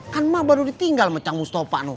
kan emak baru ditinggal sama cang mustafa no